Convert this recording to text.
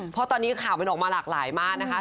เพราะตอนนี้ข่าวมันออกมาหลากหลายมากนะคะ